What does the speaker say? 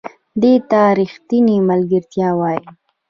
دې ته ریښتینې ملګرتیا وایي .